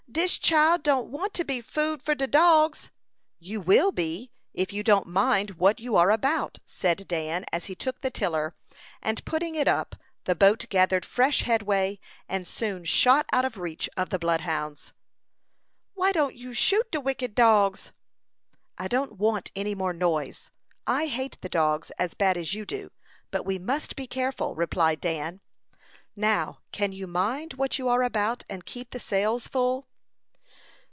dis chile don't wan't to be food for de dogs." "You will be, if you don't mind what you are about," said Dan, as he took the tiller; and putting it up, the boat gathered fresh headway, and soon shot out of reach of the bloodhounds. "Why don't you shoot de wicked dogs?" "I don't want any more noise. I hate the dogs as bad as you do, but we must be careful," replied Dan. "Now, can you mind what you are about, and keep the sails full."